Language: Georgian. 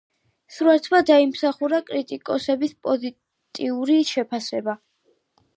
სურათმა დაიმსახურა კრიტიკოსების პოზიტიური შეფასება.